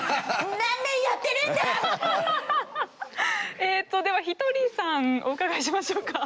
えっとではひとりさんお伺いしましょうか。